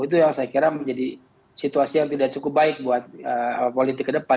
itu yang saya kira menjadi situasi yang tidak cukup baik buat politik ke depan